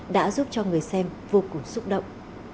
đã giúp cho người xem vô cùng xúc động